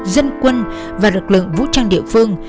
dân quân và lực lượng vũ trang địa phương